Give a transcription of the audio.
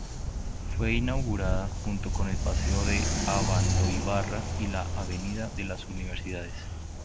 Fue inaugurada junto con el paseo de Abandoibarra y la avenida de las Universidades.